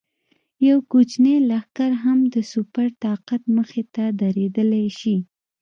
یو کوچنی لښکر هم د سوپر طاقت مخې ته درېدلی شي.